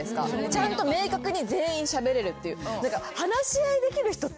ちゃんと明確に全員しゃべれるっていう。